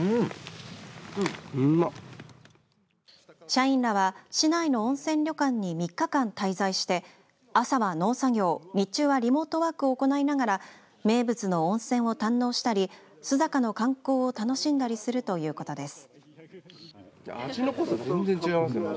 社員らは市内の温泉旅館に３日間滞在して朝は農作業日中はリモートワークを行いながら名物の温泉を堪能したり須坂の観光を楽しんだりするということです。